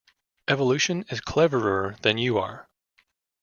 Evolution is cleverer than you are.